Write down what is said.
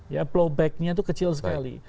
ya flow backnya itu kecil sekali